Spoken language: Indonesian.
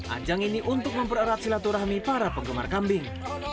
ajang ini untuk mempererat silaturahmi para penggemar kambing